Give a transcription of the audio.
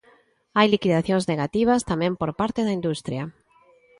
Hai liquidacións negativas tamén por parte da industria.